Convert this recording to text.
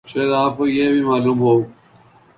شاید آپ کو یہ بھی معلوم ہو